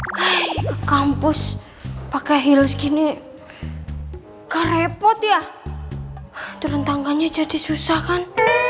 hai ke kampus pakai heels gini gak repot ya turun tangganya jadi susah kan